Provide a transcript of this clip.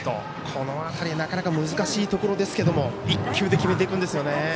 この辺りなかなか難しいところですけど１球で決めていくんですよね。